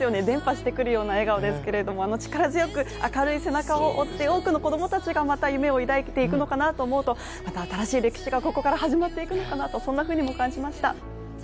伝播してくるような笑顔ですけどもあの力強く明るい顔を追って、また子供たちがまた夢を抱いていくのかと思うとまた新しい歴史がここから始まっていくのかなとそんなふうにも感じました。